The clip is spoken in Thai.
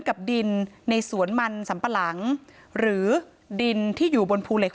กับดินในสวนมันสัมปะหลังหรือดินที่อยู่บนภูเหล็ก